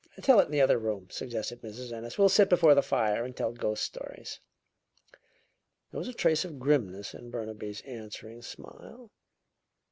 "Tell it in the other room," suggested Mrs. Ennis. "We'll sit before the fire and tell ghost stories." There was a trace of grimness in Burnaby's answering smile.